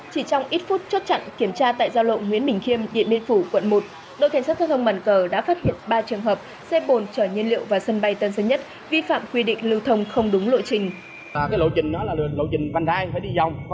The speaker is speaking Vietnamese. chỉ trong ít phút chốt chặn kiểm tra tại giao lộ nguyễn bình khiêm điện biên phủ quận một đội cảnh sát giao thông bản cờ đã phát hiện ba trường hợp xe bồn chở nhiên liệu vào sân bay tân sơn nhất vi phạm quy định lưu thông không đúng lộ trình